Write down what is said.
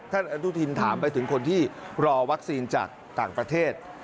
อนุทินถามไปถึงคนที่รอวัคซีนจากต่างประเทศ